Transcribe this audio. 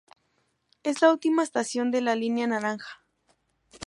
Es la última estación de la Línea Naranja.